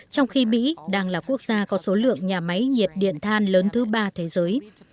trong khi mỹ đang là quốc gia có số lượng nhà máy nhiệt điện than lớn thứ ba thế giới